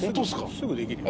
すぐできるよ。